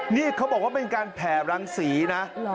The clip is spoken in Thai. นี่เขาบอกว่าเป็นการแผ่รังสีนะ